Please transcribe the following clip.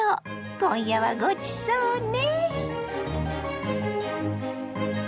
今夜はごちそうね。